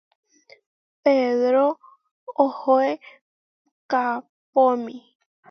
Pedró ohoé kaʼpómi.